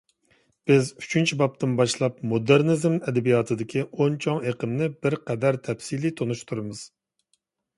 بىز ئۈچىنچى بابتىن باشلاپ مودېرنىزم ئەدەبىياتىدىكى ئون چوڭ ئېقىمنى بىرقەدەر تەپسىلىي تونۇشتۇرىمىز.